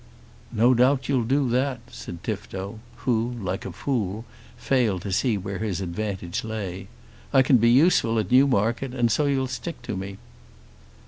"No doubt you'll do that," said Tifto, who, like a fool, failed to see where his advantage lay. "I can be useful at Newmarket, and so you'll stick to me."